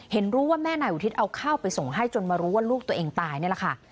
รู้ว่าแม่นายอุทิศเอาข้าวไปส่งให้จนมารู้ว่าลูกตัวเองตายนี่แหละค่ะ